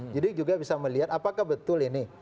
jadi juga bisa melihat apakah betul ini